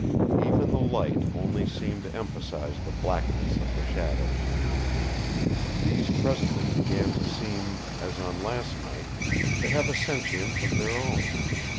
Even the light only seemed to emphasize the blackness of the shadows. These presently began to seem, as on last night, to have a sentience of their own.